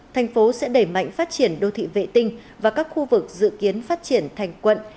thành phố sẽ đẩy mạnh phát triển đô thị vệ tinh và các khu vực dự kiến phát triển thành quận